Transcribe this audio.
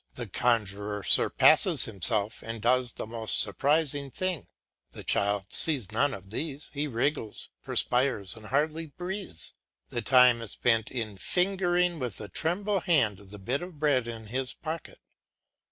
The conjuror surpasses himself and does the most surprising things. The child sees none of these; he wriggles, perspires, and hardly breathes; the time is spent in fingering with a trembling hand the bit of bread in his pocket.